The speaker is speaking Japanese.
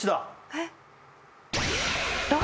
えっ？